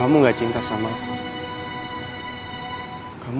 aku mau tanya sesuatu sama kamu